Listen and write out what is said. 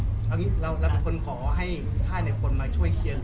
เอาอย่างนี้เราเป็นคนขอให้ค่ายคนมาช่วยเคลียร์